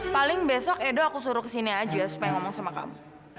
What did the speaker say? paling besok edo aku suruh kesini aja supaya ngomong sama kamu